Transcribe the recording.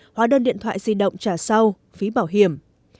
hóa đơn điện thoại di động trả sau phí bảo hiểm